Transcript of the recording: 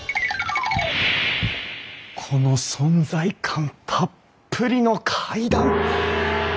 この存在感たっぷりの階段！